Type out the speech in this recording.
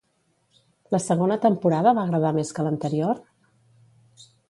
La segona temporada va agradar més que l'anterior?